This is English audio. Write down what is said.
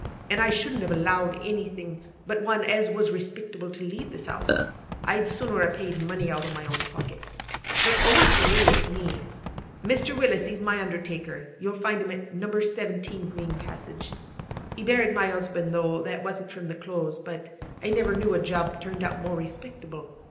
An' I shouldn't have allowed anything but one as was respectable to leave this 'ouse; I'd sooner a paid money out o' my own pocket. That's always the way with me. Mr. Willis, he's my undertaker; you'll find him at Number 17 Green Passage. He buried my 'usband; though that wasn't from the Close; but I never knew a job turned out more respectable.